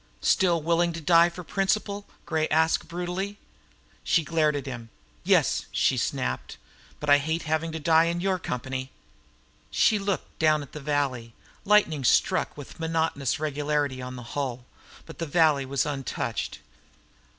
"Still willing to die for principle?" asked Gray brutally. She glared at him. "Yes," she snapped. "But I hate having to die in your company!" She looked down at the valley. Lightning struck with monotonous regularity on the hull, but the valley was untouched.